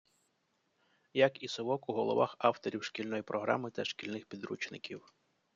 Як і «совок» у головах авторів шкільної програми та шкільних підручників.